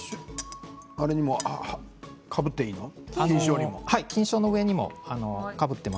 あれにもかぶっていいの？